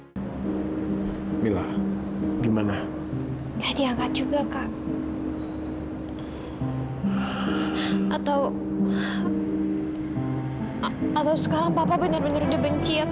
sampai jumpa di video selanjutnya